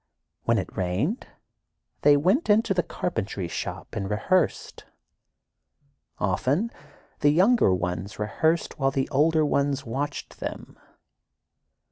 When it rained, they went into the carpentry shop and rehearsed. Often, the younger ones rehearsed while the older ones watched them.